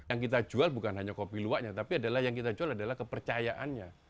yang kita jual bukan hanya kopi luwaknya tapi yang kita jual adalah kepercayaannya